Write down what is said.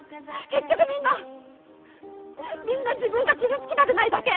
結局みんなみんな自分が傷つきたくないだけ。